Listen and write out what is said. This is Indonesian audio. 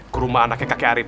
ke rumah anaknya kakek arief